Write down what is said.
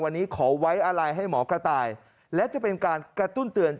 วันนี้ขอไว้อะไรให้หมอกระต่ายและจะเป็นการกระตุ้นเตือน